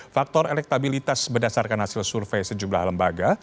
faktor elektabilitas berdasarkan hasil survei sejumlah lembaga